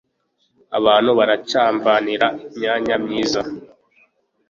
Abantu baracyamvanira imyanya myiza.